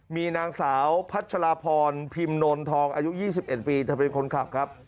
มีนางสาวพัชลาพรพิมนนทองอายุยี่สิบเอ็นปีทำเป็นคนขับครับ